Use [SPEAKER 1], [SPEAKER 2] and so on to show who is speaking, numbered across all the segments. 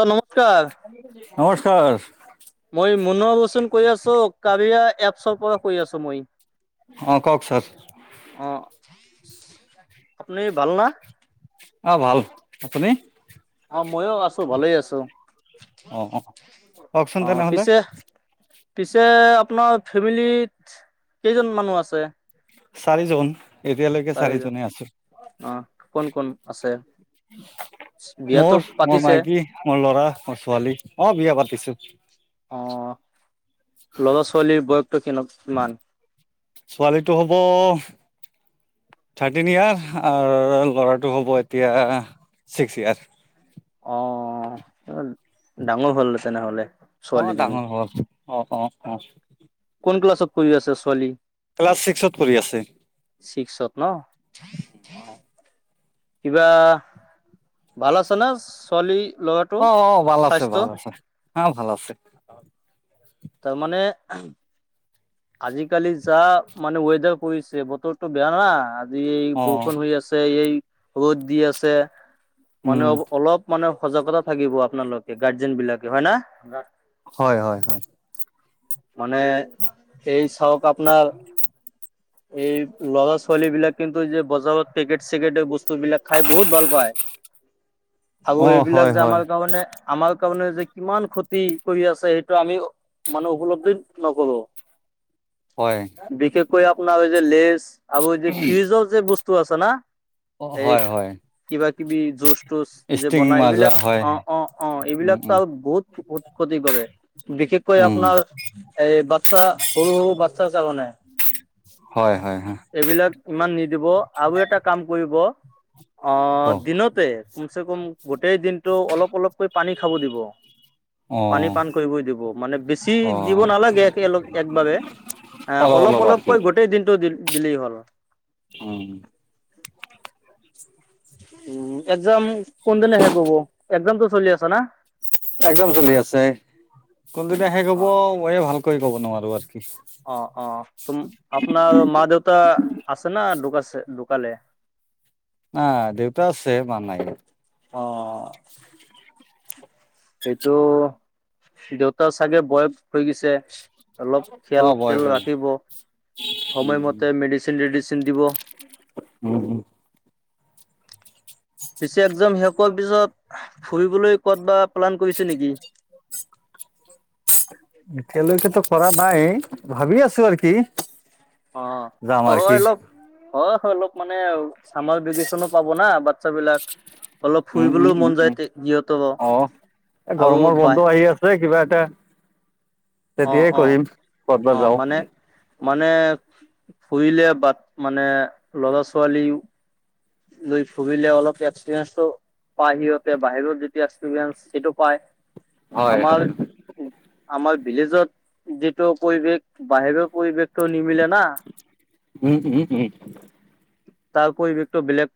[SPEAKER 1] অ নমস্কাৰ।
[SPEAKER 2] নমস্কাৰ।
[SPEAKER 1] মই মনোৱা বচুন কৈ আছো কাৰিয়া এপছৰ পৰা কৈ আছো মই।
[SPEAKER 2] অ কওক ছাৰ।
[SPEAKER 1] অ, আপুনি ভাল না?
[SPEAKER 2] অঁ ভাল, আপুনি?
[SPEAKER 1] অ মইও আছো ভালেই আছো।
[SPEAKER 2] অ অ কওকচোন
[SPEAKER 1] অ
[SPEAKER 2] তেনেহলে
[SPEAKER 1] পিছে পিছে আপোনাৰ ফেমিলিত কেইজন মানুহ আছে?
[SPEAKER 2] চাৰিজন এতিয়ালৈকে চাৰিজনে আছো।
[SPEAKER 1] অঁ কোন কোন আছে? বিয়াতো
[SPEAKER 2] মোৰ মোৰ
[SPEAKER 1] পাতিছে
[SPEAKER 2] মাইকী মোৰ ল'ৰা মোৰ ছোৱালী অঁ বিয়া পাতিছোঁ।
[SPEAKER 1] অঁ ল'ৰা ছোৱালীৰ বয়সতটো কে কিমান?
[SPEAKER 2] ছোৱালীটো হ'ব- থাৰ্টিন ইয়াৰ আৰু ল'ৰাটো হ'ব এতিয়া ছিক্স ইয়েৰ।
[SPEAKER 1] অঁ ডাঙৰ হ'ল তেনেহলে।
[SPEAKER 2] অঁ
[SPEAKER 1] ছোৱালীজনী
[SPEAKER 2] ডাঙৰ হ'ল অঁ অঁ অঁ।
[SPEAKER 1] কোন ক্লাছত পঢ়ি আছে ছোৱালী।
[SPEAKER 2] ক্লাছ ছিষ্কত পঢ়ি আছে।
[SPEAKER 1] ছিক্সত ন অঁ। কিবা ভাল আছে ন ছোৱালী লগত।
[SPEAKER 2] অঁ অঁ ভাল আছে ভাল আছে হা ভাল আছে।
[SPEAKER 1] তাৰ মানে আহো- আজিকালি যা মানে ৱেদাৰ পৰিছে বতৰটো বেয়া না। যি এই
[SPEAKER 2] অ
[SPEAKER 1] বৰষুণ হৈ আছে এই ৰ'দ দি আছে
[SPEAKER 2] উম
[SPEAKER 1] মানে অঁ অলপ। মানে সজাগতা থাকিব আপোনালোকে গাৰ্জেন বিলাকে হয়ঁ না।
[SPEAKER 2] হয়ঁ হয়ঁ হয়ঁ।
[SPEAKER 1] মানে সেই চাহক আপোনাৰ- এই ল'ৰা ছোৱালী বিলাক কিন্তু যে বজাৰত পেকেট চেকেট এই বস্তু বিলাক খাই বহুত ভাল পায়। আৰু
[SPEAKER 2] অ
[SPEAKER 1] এইবিলাক
[SPEAKER 2] হয়
[SPEAKER 1] যে
[SPEAKER 2] হয়
[SPEAKER 1] আমাৰ কাৰণে- আমাৰ কাৰণে যে কিমান ক্ষতি কৰি আছে সেইটো আমি মানে উপলব্ধ- হিত নকৰোঁ।
[SPEAKER 2] হয়
[SPEAKER 1] বিশেষকৈ আপোনাৰ এই যে লেজ আৰু যে ফ্ৰিজৰ যে বস্তু আছে না।
[SPEAKER 2] অ হয়
[SPEAKER 1] এইট
[SPEAKER 2] হয়
[SPEAKER 1] কিবা কিবি জোশ- তোছ যে
[SPEAKER 2] ষ্টিং
[SPEAKER 1] বনাই
[SPEAKER 2] মাজা
[SPEAKER 1] এইবিলাক
[SPEAKER 2] হয়
[SPEAKER 1] অঁ, অঁ, অঁ,
[SPEAKER 2] উম
[SPEAKER 1] এইবিলাকতো
[SPEAKER 2] উম
[SPEAKER 1] আৰু বহুত ক্ষতি কৰে। বিশেষকৈ
[SPEAKER 2] উম
[SPEAKER 1] আপোনাৰ- এই বচছা সৰু সৰু বাচছাৰ কাৰণে-
[SPEAKER 2] হয়ঁ হয়ঁ হয়ঁ!
[SPEAKER 1] এইবিলাক ইমান নিদিব আৰু এটা কাম কৰিব অঁ
[SPEAKER 2] কওক
[SPEAKER 1] দিনতে- কমচে কম গোটেই দিনটো অলপ অলপকৈ পানী খাব দিব।
[SPEAKER 2] অ
[SPEAKER 1] পানী পান কৰিবই দিব মানে বেছি
[SPEAKER 2] অ
[SPEAKER 1] দিব নালাগে। এক একবাবে- এ অলপ অলপকৈ গোটেই দিনটো দিলেই হ'ল।
[SPEAKER 2] উমঁ'!
[SPEAKER 1] উমঁ একজাম কোনদিনা হেখ হ'ব একজামটো চলি আছা না-
[SPEAKER 2] একজাম চলি আছে। কোনদিনা শেষ হ'ব
[SPEAKER 1] অ',
[SPEAKER 2] ময়ে ভালকৈ কব নোৱাৰো আৰু কি?
[SPEAKER 1] অঁ অঁ তুম আপোনাৰ মা দেউতা আছে না ধোকাইছে ধোকালে। [inaudible]
[SPEAKER 2] অঁ দেউতা আছে মা নাই।
[SPEAKER 1] অঁ অঁ অঁ - এইটো দেউতা চাগে বয়স হৈ গৈছে। অলপ
[SPEAKER 2] অ
[SPEAKER 1] খয়েল তেয়াল
[SPEAKER 2] বয়স হৈ
[SPEAKER 1] ৰাখিব। সময়মতে মেডিচিন ডিচিন দিব।
[SPEAKER 2] উমঁ' উমঁ!
[SPEAKER 1] পিছে একজাম শেষৰ পিছত ফুৰিবলৈ কত বা প্লান কৰিছে নেকি!
[SPEAKER 2] এতিয়ালৈকেতো কৰা নাই। ভাবি আছো আৰু কি?
[SPEAKER 1] অ'অ,
[SPEAKER 2] যাম আৰু কি
[SPEAKER 1] অলপ- হয়, হয়। অলপ মানে ছামাৰ ভেকেচনো পাব না বাচ্ছা বিলাক।
[SPEAKER 2] উম, উম, উম, উম,
[SPEAKER 1] সিহঁতৰো
[SPEAKER 2] অ'এ,
[SPEAKER 1] আৰু
[SPEAKER 2] গৰমৰ
[SPEAKER 1] বাই
[SPEAKER 2] বন্ধ আহি আছ অই, কিবা এটা
[SPEAKER 1] অ',
[SPEAKER 2] তেতিয়াই
[SPEAKER 1] অ'।
[SPEAKER 2] কৰিম ক'তবা
[SPEAKER 1] অ
[SPEAKER 2] যাও।
[SPEAKER 1] মানে মানে, ফুৰিলে বাট মানে লৰা-ছোৱালীও [unintelligible] অলপ এক্সপৰিয়েঞ্চটো পায়, সিহঁতে বাহিৰৰ যেতিয়া এক্সপিৰিয়েঞ্চ সেইটো পায়।
[SPEAKER 2] হয় হয়
[SPEAKER 1] আমাৰ-আমাৰ ভিলেজত যিটো পৰিৱেশ, বাহিৰৰ পৰিৱেশ টো নিমিলে না,
[SPEAKER 2] উম উম উম
[SPEAKER 1] তাৰ পৰিবেশটো বেলেগ।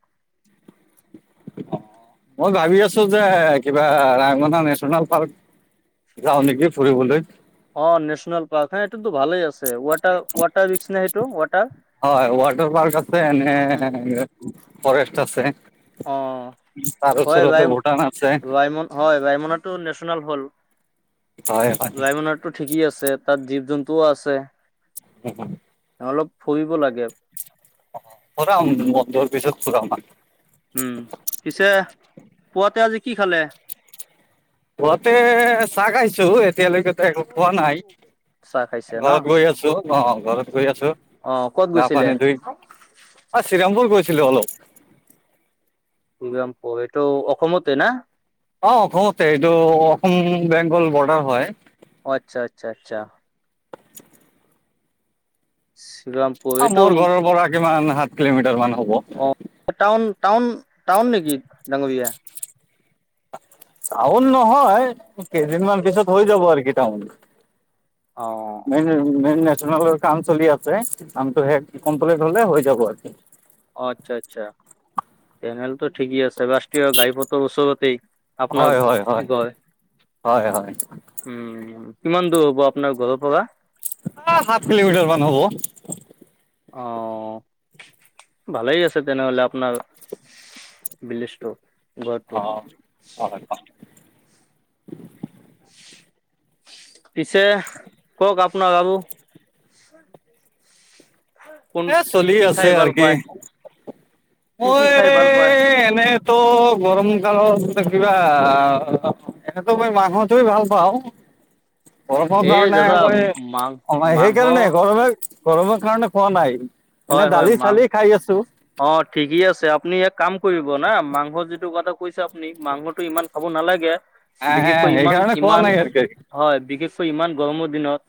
[SPEAKER 2] মই ভাবি আছো যে, কিবা ৰাঙনা নেচনেল পাৰ্ক যাওঁ নেকি, ফুৰিবলৈ।
[SPEAKER 1] অ'নেচনেল পাৰ্ক হে এইটোতো ভালে আছে। ৱাটা-ৱাটাৰ ৰিক্স নে, সেইটো ৱাটাৰ
[SPEAKER 2] হয়, ৱাটাৰ পাৰ্ক আছে
[SPEAKER 1] উম।
[SPEAKER 2] নে, ফৰেষ্ট আছে।
[SPEAKER 1] অ
[SPEAKER 2] তাৰ
[SPEAKER 1] হয় ভাই
[SPEAKER 2] ওচৰতে ভূটান আছে।
[SPEAKER 1] ৰাইমন হয়, ৰাইমনৰটো নেচনেল হ'ল
[SPEAKER 2] হয় হয়
[SPEAKER 1] ৰাইমনত টো ঠিকেই আছে, তাত জীৱ-জন্তুও আছে।
[SPEAKER 2] [unintelligible]
[SPEAKER 1] অ'অলপ ফুৰিব লাগে।
[SPEAKER 2] অ' ফুৰাম বন্ধৰ পিছত ফুৰাম
[SPEAKER 1] উম, পিছে পুৱাতে আজি কি খালে?
[SPEAKER 2] পোৱাতে চাহ খাইছো, এতিয়ালৈকে। তে একো খোৱা নাই,
[SPEAKER 1] চাহ খাইছে ন?
[SPEAKER 2] ঘৰত গৈ আছো অ' ঘৰত গৈ আছো।
[SPEAKER 1] অ' ক'ত
[SPEAKER 2] গা
[SPEAKER 1] গৈছিলে?
[SPEAKER 2] পানী ধুই অ' শ্ৰীৰামপুৰ গৈছিলোঁ, অলপ।
[SPEAKER 1] [unintelligible] এইটো অসমতে না?
[SPEAKER 2] অ' অসমতে, এইটো অসম বেংগল বৰ্ডাৰ হয়।
[SPEAKER 1] অ'আচ্ছা, আচ্ছা, আচ্ছা। শ্ৰীৰামপুৰ
[SPEAKER 2] অ'
[SPEAKER 1] এইটো
[SPEAKER 2] মোৰ ঘৰৰ পৰা কিমান সাত কিলোমিটাৰ মান হ'ব।
[SPEAKER 1] অ' টাউন-টাউন-টাউন নেকি ডাঙৰীয়া?
[SPEAKER 2] টাউন নহয়, একেইদিনমান পিছত হৈ যাব আৰকি টাউন।
[SPEAKER 1] অ',
[SPEAKER 2] মেইন, মেইন নেচনেলৰ কাম চলি আছে কামটো শেষ কমপ্লিট হ'লে হৈ যাব আৰ
[SPEAKER 1] অ'আচ্ছা, আচ্ছা তেনেহ'লটো ঠিকেই আছে ৰাছ ট্ৰীয় ঘাইপথৰ ওচৰতেই আপোনাৰ
[SPEAKER 2] হয় হয় হয়
[SPEAKER 1] গয়।
[SPEAKER 2] হয় হয়
[SPEAKER 1] উম, কিমান দূৰ হ'ব আপোনাৰ ঘৰৰ পৰা?
[SPEAKER 2] আ, হাত কিলোমিটাৰমান হ'ব।
[SPEAKER 1] অ', ভালেই আছে তেনেহ'লে আপনাৰ ভিলেচটো, ঘৰটো।
[SPEAKER 2] [unintelligible]
[SPEAKER 1] পিছে, কওক আপোনাৰ আৰু? কোন
[SPEAKER 2] এ,
[SPEAKER 1] কি
[SPEAKER 2] চলি
[SPEAKER 1] কি
[SPEAKER 2] আছে
[SPEAKER 1] খাই ভাল
[SPEAKER 2] আৰকি
[SPEAKER 1] পায়? কি কি খাই
[SPEAKER 2] মই
[SPEAKER 1] ভাল পায়?
[SPEAKER 2] এনে তো গৰম কালত [unintelligible] কিবা এনেতো মই মাংসটোই ভাল পাওঁ। গৰমৰ
[SPEAKER 1] এই
[SPEAKER 2] কাৰণে
[SPEAKER 1] দাদা
[SPEAKER 2] মই
[SPEAKER 1] মাং
[SPEAKER 2] কমাই
[SPEAKER 1] মাংস
[SPEAKER 2] সেইকাৰণে [unintelligible] গৰমৰ কাৰণে খোৱা নাই। এনে
[SPEAKER 1] হয়, হয়,
[SPEAKER 2] দালি
[SPEAKER 1] মাং
[SPEAKER 2] চালি খাই আছো
[SPEAKER 1] অ' ঠিকেই আছে আপুনি এ কাম কৰিব না মাংস যিটো কথা কৈছে। মাংসটো ইমান খাব নালাগে
[SPEAKER 2] আহ হে
[SPEAKER 1] বিশেষকৈ ইমান
[SPEAKER 2] সেইকাৰণে খোৱা
[SPEAKER 1] ইমান।
[SPEAKER 2] নাই আৰু কি
[SPEAKER 1] হয় বিশেষ ইমান গৰমৰ দিনত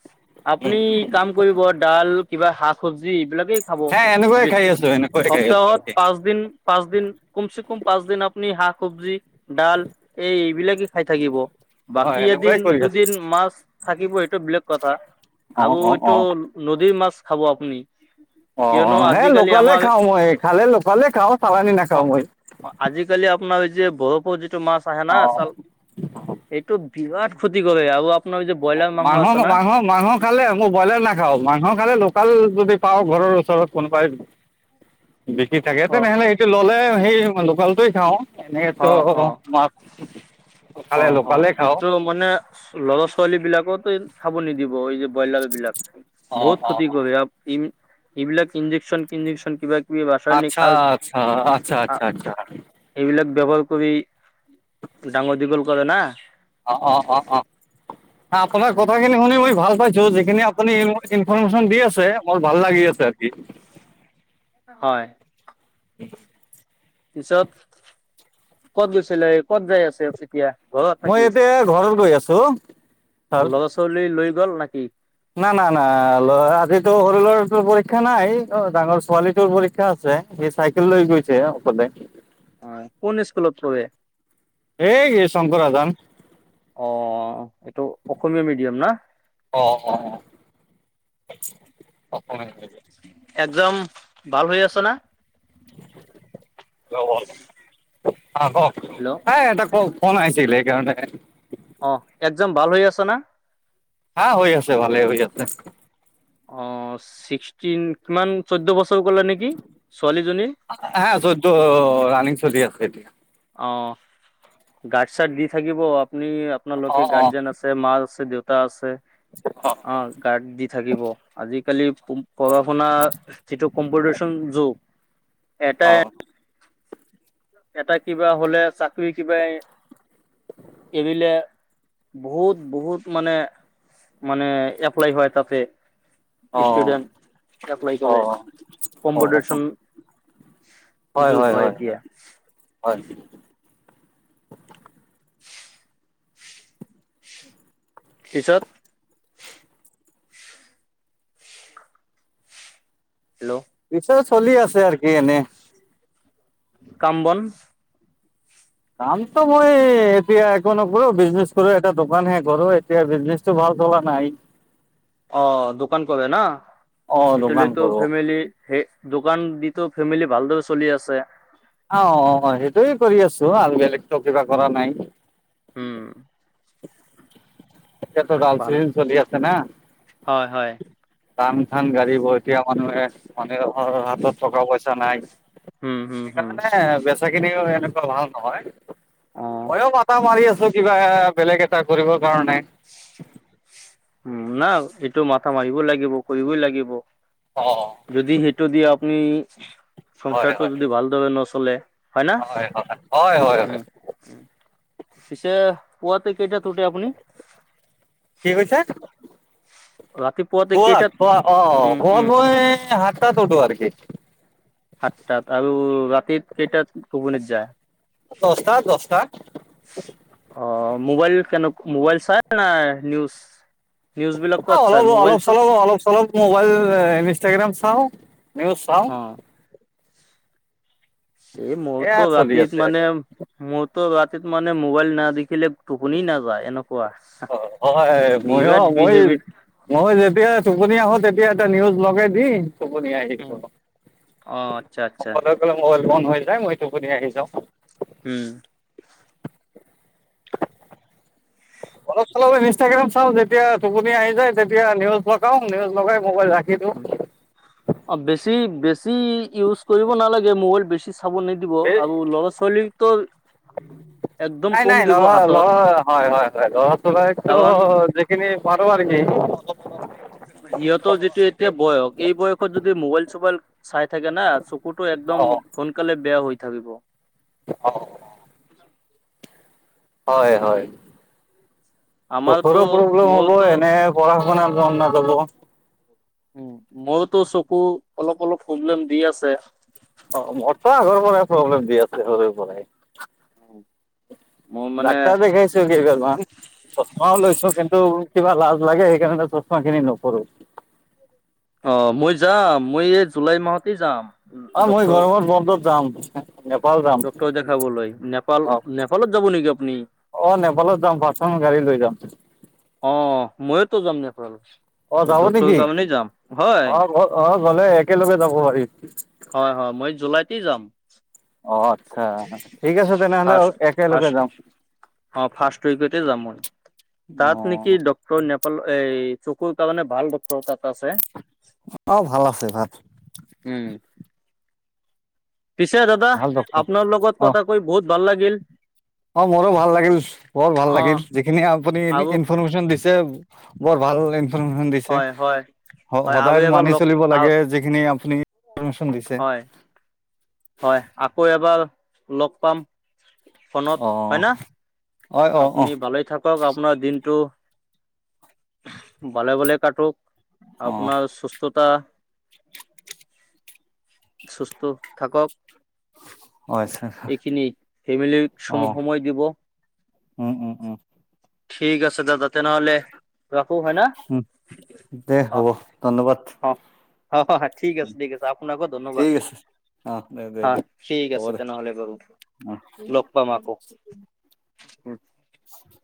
[SPEAKER 1] আপুনি। কাম কৰিব ডাল কিবা শাক চবজি এইবিলাকে। খাব
[SPEAKER 2] হে এনেকুৱাই খাই
[SPEAKER 1] বেছি
[SPEAKER 2] আছো এনেকুৱাই খাই আছো
[SPEAKER 1] সপ্তাহত পাঁচ দিন। পাঁচ দিন কমচে কম পাঁচ দিন আপুনি শাক চবজি ডাল। এই এইবিলাকে খাই থাকিব।
[SPEAKER 2] হয়
[SPEAKER 1] বাকী এদিন
[SPEAKER 2] এনেকুৱাই কৰি আছো
[SPEAKER 1] দুদিন মাছ থাকিব এইটো বেলেগ কথা
[SPEAKER 2] অ
[SPEAKER 1] আৰু
[SPEAKER 2] অ অ
[SPEAKER 1] এইটো। নদীৰ মাছ খাব আপুনি।
[SPEAKER 2] অ অ
[SPEAKER 1] কিয়নো
[SPEAKER 2] এ
[SPEAKER 1] আজিকালি
[SPEAKER 2] লোকেলেই
[SPEAKER 1] আমাৰ
[SPEAKER 2] খাওঁ মই খালে লোকেলেই খাওঁ চালানী নাখাওঁ মই।
[SPEAKER 1] অ আজিকালি আপোনাৰ যে বৰফৰ যিটো মাছ আহে না
[SPEAKER 2] অ
[SPEAKER 1] চাল। এইটো বিৰাট ক্ষতি কৰে আৰু। আপোনাৰ যে ব্ৰইলাৰ
[SPEAKER 2] অ মাংস
[SPEAKER 1] আছে না
[SPEAKER 2] মাংস-। মাংস খালে মই ব্ৰইলাৰ নাখাওঁ মাংস খালে লোকেল যদি পাওঁ ঘৰৰ ওচৰত কোনোবাই। বিকি থাকে
[SPEAKER 1] অ
[SPEAKER 2] তেনেহলে সেইটো ল'লে সেই লোকালটোৱে খাওঁ।
[SPEAKER 1] অ
[SPEAKER 2] এনেইটো
[SPEAKER 1] অ
[SPEAKER 2] মাছ
[SPEAKER 1] অ
[SPEAKER 2] খালে
[SPEAKER 1] অ
[SPEAKER 2] লোকালে খাওঁ।
[SPEAKER 1] এইটো মানে ল'ৰা -ছোৱালী বিলাকত খাব নিদিব এই যে। ব্ৰইলাৰ বিলাক
[SPEAKER 2] অ
[SPEAKER 1] বহুত
[SPEAKER 2] অ অ
[SPEAKER 1] ক্ষতি কৰে এইবিলাক ইনজেকচন ছিনজেকচন কিবা। কিবি ৰাসায়নিক
[SPEAKER 2] আচ্ছা
[SPEAKER 1] সাৰ
[SPEAKER 2] আচ্ছা আচ্ছা আচ্ছা আচ্ছা।
[SPEAKER 1] এইবিলাক ব্যৱহাৰ কৰি ডাঙৰ দীঘল কৰে না।
[SPEAKER 2] অ অ অ অ আপোনাৰ
[SPEAKER 1] উম
[SPEAKER 2] কথাখিনি শুনি মই ভাল পাইছো যিখিনি আপুনি। ইনফৰমেশ্যন দি আছে মোৰ ভাল লাগি আছে আজি।
[SPEAKER 1] হয়।
[SPEAKER 2] [inaudible]
[SPEAKER 1] পিছত ক'ত গৈছিলে ক'ত যাই আছে। এতিয়া ঘৰত
[SPEAKER 2] মই
[SPEAKER 1] থাকি
[SPEAKER 2] এতিয়া ঘৰত গৈ আছোঁ ছাৰ
[SPEAKER 1] ল'ৰা ছোৱালী লৈ গল না কি।
[SPEAKER 2] না না ল'ৰা আজিতো সৰু ল'ৰাটোৰ পৰীক্ষা নাই অ ডাঙৰ ছোৱালীটোৰ পৰীক্ষা আছে। চাইকেল লৈ গৈছে অকলে।
[SPEAKER 1] অ কোন স্কুলত পঢ়ে।
[SPEAKER 2] এই [unintelligible]
[SPEAKER 1] অ', এইটো অসমীয়া মিডিয়াম না?
[SPEAKER 2] অ', অ', অ', অসমীয়া মিডিয়াম।
[SPEAKER 1] এক্সজাম ভাল হৈ আছে না?
[SPEAKER 2] [unintelligible] অ', কক?
[SPEAKER 1] হেল্ল'?
[SPEAKER 2] এ এটা কওক, ফোন আহিছিলে সেইকাৰণে।
[SPEAKER 1] অ', এক্সজাম ভাল হৈ আছে না?
[SPEAKER 2] হা হৈ আছে, ভালে হৈ আছে।
[SPEAKER 1] অ', ছিক্সটিন কিমান চৈধ্য বছৰ ক'লে নেকি, ছোৱালীজনীৰ।
[SPEAKER 2] হা, চৈধ্য ৰানিং চলি আছে এতিয়া।
[SPEAKER 1] অ', গাৰ্ড-চাৰ্ড দি থাকিব, আপুনি আপোনালোকে
[SPEAKER 2] অঁ অঁ
[SPEAKER 1] গাৰ্জেন আছে মা আছে দেউত। তা আছে, অ', গাৰ্ড দি থাকিব, আজি। কালি পঢ়া শুনা যিটো কম্পিটিচন যুগ, এটা।
[SPEAKER 2] অঁ
[SPEAKER 1] এটা কিবা হ'লে চাকৰি কিবাই এৰিলে। বহুত-বহুত, মানে, মানে এপ্লাই হয় তাতে।
[SPEAKER 2] অঁ
[SPEAKER 1] ষ্টুডেণ্ট এপ্লাই কৰে,
[SPEAKER 2] অঁ অঁ অঁ
[SPEAKER 1] কম্পিউটেচন।
[SPEAKER 2] হয়, হয়, হয়, হয়।
[SPEAKER 1] পিছত। হেল্লো'?
[SPEAKER 2] পিছত চলি আছে, আৰ কি এনে।
[SPEAKER 1] কাম বন।
[SPEAKER 2] কামটো মইয়ে এতিয়া একো নকৰোঁ, বিজনেছ কৰোঁ, এটা দোকান হে কৰোঁ, এতিয়া বিজনেছ। টো ভাল চলা নাই।
[SPEAKER 1] অ', দোকান কৰে না,
[SPEAKER 2] অ
[SPEAKER 1] এইটো
[SPEAKER 2] দোকান
[SPEAKER 1] লৈতো
[SPEAKER 2] কৰো
[SPEAKER 1] ফেমিলি। সেই দোকান দিতো ফেমিলি ভালদৰে চলি আছে।
[SPEAKER 2] আও, অ', হয় সেইটোয়ে কৰি আছোঁ, আও বেলেগতো কিবা কৰা নাই।
[SPEAKER 1] উম।
[SPEAKER 2] এতিয়াতো
[SPEAKER 1] ভাল
[SPEAKER 2] ডাল-ছিজেন চলি আছে না।
[SPEAKER 1] হয় হয়
[SPEAKER 2] ধান চান গাড়ীব এতিয়া মানুহে, মানে হাতত টকা পইচা নাই।
[SPEAKER 1] উম হুম হুম
[SPEAKER 2] সেইকাৰণে বেছা খিনিও এনেকুৱা ভাল নহয়।
[SPEAKER 1] অ
[SPEAKER 2] মইয়ো মাথা মাৰি আছো, কিবা এ বেলেগ এটা কৰিব কাৰণে।
[SPEAKER 1] উম, না এইটো মাথা মাৰিব লাগিব, কৰিবই লাগিব,
[SPEAKER 2] অ
[SPEAKER 1] যদি সি। টো, যদি আপুনি
[SPEAKER 2] হয়
[SPEAKER 1] সংসাৰটো
[SPEAKER 2] হয়
[SPEAKER 1] যদি ভালদৰে নচলে। হয় না,
[SPEAKER 2] হয় হয় হয় হয়
[SPEAKER 1] উম, উম। পিছে পুৱাতে কেইটাত উঠে আপুনি?
[SPEAKER 2] কি কৈছে?
[SPEAKER 1] ৰাতি।
[SPEAKER 2] পুৱাত পুৱাত অ', পুৱাত মই সাতটাত উঠোঁ আৰু কি।
[SPEAKER 1] সাতটাত, আৰু ৰাতি কেইটাত টোপনি যাই?
[SPEAKER 2] দস্তাত, দস্তাত।
[SPEAKER 1] অ', মোবাইল কেনেক, মোবাইল চাই নাই', নিউজ? নিউজ বিলাক ক'ত
[SPEAKER 2] অ',
[SPEAKER 1] চাই
[SPEAKER 2] অলপ, অলপ
[SPEAKER 1] মোবাইলছত?
[SPEAKER 2] চলপ, অলপ চলপ, মোবাইল এই ইনষ্টাগ্ৰাম চাওঁ, নিউজ চাওঁ।
[SPEAKER 1] অ' এই
[SPEAKER 2] এয়া
[SPEAKER 1] মোৰতো
[SPEAKER 2] চলি
[SPEAKER 1] ৰাতিত
[SPEAKER 2] আছে
[SPEAKER 1] মানে, মোৰতো ৰাতিত মানে, মোবাইল নাই দেখিলে। টোপনি নাযায় এনকুৱা,
[SPEAKER 2] অ হয় মইয়ো
[SPEAKER 1] বিবাদ
[SPEAKER 2] মই
[SPEAKER 1] বিহেবিত।
[SPEAKER 2] মই যেতিয়া টোপনি আহো, তেতিয়া এটা নিউজ লগাই দি। টোপনি আহি যাওঁ,
[SPEAKER 1] অ' আচ্ছা আচ্ছা
[SPEAKER 2] অকলে, অকলে, মোবাইল বন্ধ হৈ যায়, মই টোপনি আহি যাওঁ।
[SPEAKER 1] উম।
[SPEAKER 2] অলপ চলপ ইনষ্টাগ্ৰাম চাওঁ যেতিয়া টোপনি আহি যায় তেতিয়া নিউজ লগাও নিউজ লগাই মোবাইল ৰাখ।
[SPEAKER 1] উম অ বেছি বেছি ইউজ কৰিব নালাগে মোবাইল বেছি চাব নি। দিব
[SPEAKER 2] দিওঁ
[SPEAKER 1] আৰু ল'ৰা ছোৱালীটো।
[SPEAKER 2] নাই নাই ন ল হয় হয় হয় ল'ৰা ছোৱালীকটো
[SPEAKER 1] কাৰণ
[SPEAKER 2] যিখিনি পাৰোঁ আৰু কি।
[SPEAKER 1] সিহঁতৰ যিটো এতিয়া
[SPEAKER 2] নিদিওঁ
[SPEAKER 1] বয়স এই বয়সত যদি মোবাইল চোবাইল চাই থাকে না চ। কুটো একদম
[SPEAKER 2] অঁ
[SPEAKER 1] সোনকালে বেয়া হৈ থাকিব।
[SPEAKER 2] অ'হ। হয় হয়
[SPEAKER 1] আমাৰতো
[SPEAKER 2] চকুৰো প্ৰব্লেম হ'ব
[SPEAKER 1] মোৰতো
[SPEAKER 2] এনে। পঢ়া শুনাত মন নাযাব।
[SPEAKER 1] উম মোৰটো চকু অলপ অলপ প্ৰব্লেম দি আছে।
[SPEAKER 2] অ মোৰটো আগৰ পৰাই প্ৰব্লেম দি আছে সৰুৰ পৰাই।
[SPEAKER 1] উম।
[SPEAKER 2] ডাক্তৰ দেখাইছ। কেইবাৰমান চশমাও লৈছোঁ, কিন্তু কিবা লাজ লাগে সেইকাৰণে চশমা খিনি নকৰোঁ।
[SPEAKER 1] অ, মই যাম, মই এই জুলাই মাহতে যাম।
[SPEAKER 2] অ, মই
[SPEAKER 1] ডক্তৰ
[SPEAKER 2] গৰমৰ বন্ধত যাম। নেপাল যাম
[SPEAKER 1] ডক্তৰ দেখাবলৈ, নেপাল- নেপালত যাব নেকি আপুনি?
[SPEAKER 2] অ, নেপালত যাম, পাৰ্চনেল গাড়ী লৈ যাম।
[SPEAKER 1] অ, ময়োতো যাম নেপাল।
[SPEAKER 2] অ, যাব
[SPEAKER 1] ডক্তৰৰ
[SPEAKER 2] নেকি?
[SPEAKER 1] কাৰণে যাম হয়
[SPEAKER 2] অ- অ, গলে একেলগে যাব পাৰিম।
[SPEAKER 1] হয়- হয় মই জুলাইতেই যাম।
[SPEAKER 2] অ, আতচ্ছা, ঠিক আছে তেনেহ'লে
[SPEAKER 1] ফাৰ্ষ্ট
[SPEAKER 2] একেলগে
[SPEAKER 1] ফাৰ্ষ্ট
[SPEAKER 2] যাম।
[SPEAKER 1] অ, ফা্ৰ্ষ্ট উইকতে যাম মই,
[SPEAKER 2] অ
[SPEAKER 1] তাত নেকি নেপাল এই চকুৰ কাৰণে ভাল ডক্তৰ তাত আছে।
[SPEAKER 2] অ, ভাল আছে, ভাল।
[SPEAKER 1] উম। পিছে দাদা
[SPEAKER 2] ভাল ডক্তৰ
[SPEAKER 1] আপোনাৰ লগত
[SPEAKER 2] অ
[SPEAKER 1] কথা কৈ বহুত ভাল লাগিল।
[SPEAKER 2] অ, মোৰো ভাল লাগিল। বৰ ভাল
[SPEAKER 1] অ',
[SPEAKER 2] লাগিল। যিখিনি আপুনি
[SPEAKER 1] আৰু
[SPEAKER 2] ইনফৰমেশ্যন দিছে বৰ ভাল ইনফৰমেশ্যন দিছে,
[SPEAKER 1] হয়, হয়, হয় আৰু
[SPEAKER 2] সদায়
[SPEAKER 1] এবাৰ
[SPEAKER 2] মানি
[SPEAKER 1] লগ
[SPEAKER 2] চলিব লাগে। যিখিনি আপুনি ইনফৰমেশ্যন দিছে
[SPEAKER 1] হয়- হয়, আকৌ এবাৰ লগ পাম। ফোনত
[SPEAKER 2] অ
[SPEAKER 1] হয়না।
[SPEAKER 2] অ অ অ
[SPEAKER 1] আপুনি ভালেই থাক হওঁক আপোনাৰ দিনটো। ভালে- ভাল থাকক।
[SPEAKER 2] অ
[SPEAKER 1] আপোনাৰ সুস্থতা, সুস্থ থাকক।
[SPEAKER 2] অ আচ্ছা
[SPEAKER 1] এইখিনিয়েই, ফেমিলি
[SPEAKER 2] অ
[SPEAKER 1] ছম- সময় দিব।
[SPEAKER 2] উম- উম- উম।
[SPEAKER 1] ঠিক আছে দাদা, তেনেহ'লে ৰাখো হয় না?
[SPEAKER 2] উম দে, হ'ব
[SPEAKER 1] অ',
[SPEAKER 2] ধন্যবাদ।
[SPEAKER 1] অ- অ ঠিক আছে, ঠিক আছে, আপোনাকো ধন্যবাদ।
[SPEAKER 2] ঠিক আছে অ দে দে
[SPEAKER 1] হা
[SPEAKER 2] দে
[SPEAKER 1] ঠিক
[SPEAKER 2] হ'ব
[SPEAKER 1] আছে
[SPEAKER 2] দে
[SPEAKER 1] তেনেহ'লে বাৰু। লগ পাম আকৌ।
[SPEAKER 2] উ
[SPEAKER 1] উম।
[SPEAKER 2] [inaudible]